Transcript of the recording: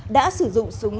đã xử lý theo quy định